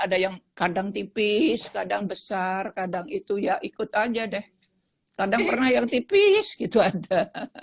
ada yang kadangipis gadang besar kadang itu ya ikut aja deh kadang pernah yang tipis itu ada